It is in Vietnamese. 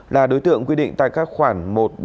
là đối tượng quyết định tại các khoản